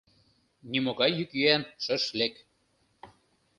Нимогай йӱк-йӱан шыш лек.